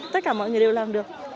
tất cả mọi người đều làm được